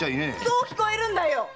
そう聞こえるんだよ！